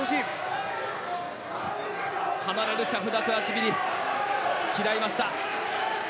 離れるシャフダトゥアシビリ。嫌いました。